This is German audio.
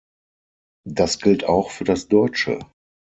Das gilt auch für das Deutsche.